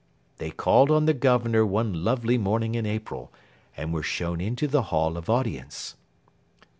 They called on the Governor one lovely morning in April, and were shown into the Hall of Audience.